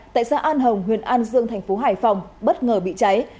tại xã an hồng huyện an dương thành phố hải phòng bất ngờ bị cháy